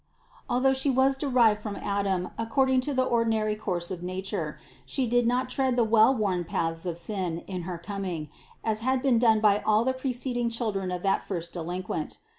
'' Although She was derived from Adam according to the ordinary course of nature, She did not tread the well worn paths of sin in her coming, as had been done by all the preceding children of that first delinquent.